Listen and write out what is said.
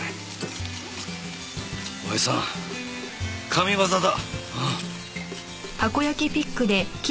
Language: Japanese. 親父さん神業だ。